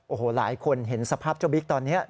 โอ้โหหลายคนเห็นสภาพเจ้าบิ๊กตอนนี้